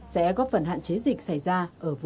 sẽ góp phần hạn chế dịch sản xuất